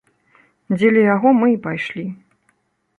Дзеля яго мы і пайшлі.